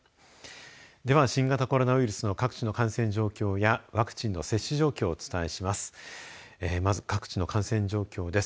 では、新型コロナウイルスの各地の感染状況やワクチンの接種状況をお伝えします。